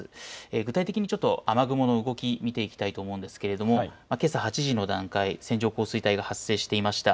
具体的に雨雲の動きを見ていきたいと思うんですが、けさ８時の段階、線状降水帯が発生していました。